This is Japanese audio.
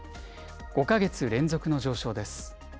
５か月連続の上昇です。